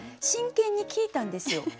真剣に聞いたんですよ。